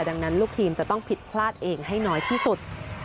ดังนั้นลูกทีมจะต้องผิดพลาดเองให้น้อยที่สุด